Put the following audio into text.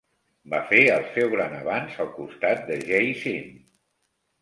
Va fer el seu gran avanç al costat de Jay Sean.